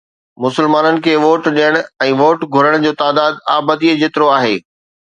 مسلمانن کي ووٽ ڏيڻ ۽ ووٽ گهرڻ جو تعداد آبادي جيترو آهي.